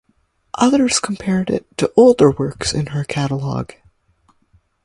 Others compared it to older works in her catalogue.